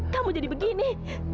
kamu jadi begini